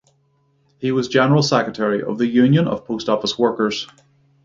He was General Secretary of the Union of Post Office Workers.